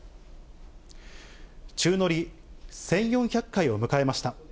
宙乗り１４００回を迎えました。